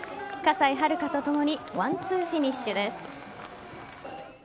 葛西春香とともにワンツーフィニッシュです。